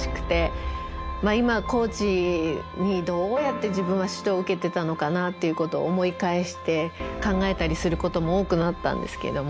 今コーチにどうやって自分は指導を受けてたのかなっていうことを思い返して考えたりすることも多くなったんですけども。